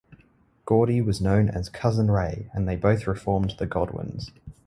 Gordy was known as Cousin Ray and they both reformed The Godwinns.